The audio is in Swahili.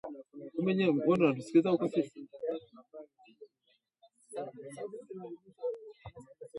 inafanyika katika zile ndoa za mabinti wanaoolewa katika umri mdogo